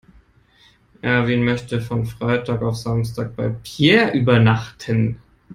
Erwin möchte von Freitag auf Samstag bei Peer übernachten.